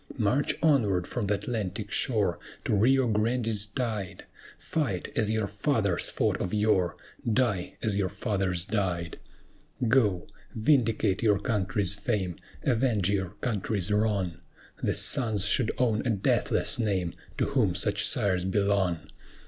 March onward from th' Atlantic shore, To Rio Grande's tide Fight as your fathers fought of yore! Die as your fathers died! Go! vindicate your country's fame, Avenge your country's wrong! The sons should own a deathless name, To whom such sires belong.